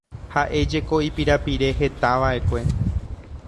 Ha'éjeko ipirapire hetava'ekue.